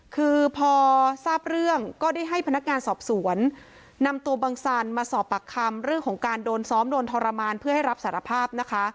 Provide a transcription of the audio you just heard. คือพอทราบเรื่องก็ได้ให้พนักงานสอบสวนนำตัวบังสันมาสอบปากคำเรื่องของการโดนซ้อมโดนทรมานเพื่อให้รับสารภาพนะคะ